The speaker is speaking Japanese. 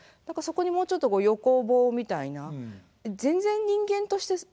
何かそこにもうちょっと横棒みたいな全然人間として。